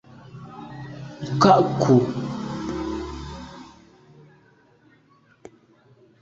Nka’ kù.